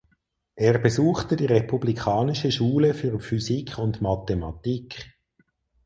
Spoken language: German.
Er besuchte die Republikanische Schule für Physik und Mathematik.